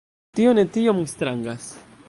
Tio ne tiom strangas.